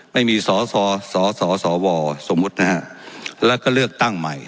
ไม่มีสอสอสสวสมมุตินะฮะแล้วก็เลือกตั้งใหม่